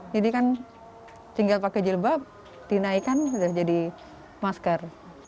jadi kan tinggal pakai jilbab dinaikkan sudah jadi masker